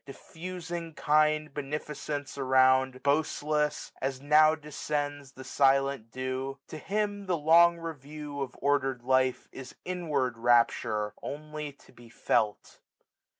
Diffusing kind beneficence around, Boastless, as now descends the silent dew } To him the long review of order'd life Is inward rapture, only to be felt.